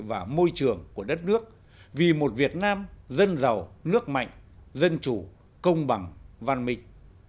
và môi trường của đất nước vì một việt nam dân giàu nước mạnh dân chủ công bằng văn minh